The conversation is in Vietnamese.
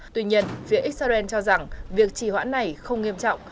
tuy nhiên phía israel cho rằng việc trì hoãn này không nghiêm trọng